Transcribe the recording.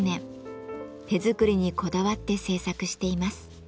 手作りにこだわって制作しています。